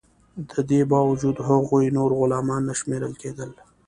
د دې باوجود هغوی نور غلامان نه شمیرل کیدل.